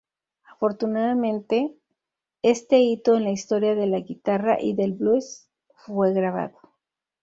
Afortunadamente, este hito en la historia de la guitarra y del blues fue grabado.